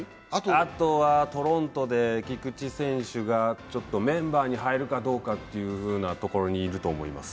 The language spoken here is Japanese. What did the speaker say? あとはトロントで菊池選手がメンバーに入るかどうかというところにいると思います。